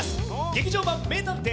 「劇場版名探偵